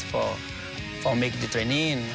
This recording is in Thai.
เพื่อทำการเตรียม